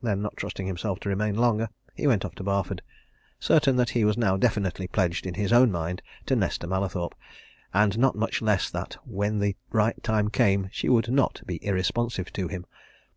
Then, not trusting himself to remain longer, he went off to Barford, certain that he was now definitely pledged in his own mind to Nesta Mallathorpe, and not much less that when the right time came she would not be irresponsive to him.